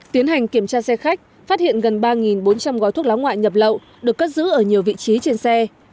tiến hành kiểm tra xe khách phát hiện gần ba bốn trăm linh gói thuốc lá ngoại nhập lậu được cất giữ ở nhiều vị trí trên xe